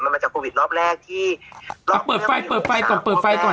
มันจะโควิดรอบแรกที่อ่ะเปิดไฟล์เปิดไฟล์ก่อนเปิดไฟล์ก่อน